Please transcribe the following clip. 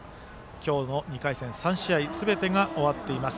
今日の２回戦３試合すべてが終わっています